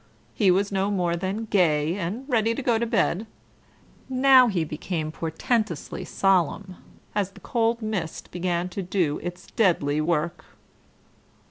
He was no more than gay and ready to go to bed. Now he became portentously solemn, as the cold mist began to do its deadly work.